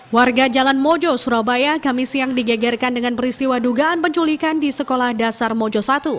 warga jalan mojo surabaya kami siang digegerkan dengan peristiwa dugaan penculikan di sekolah dasar mojo satu